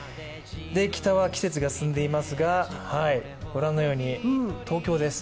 北は季節が進んでいますが、ご覧のように、東京です。